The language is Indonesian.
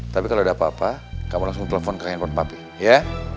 tapi kalau ada apa apa kamu langsung telepon ke handphone papi ya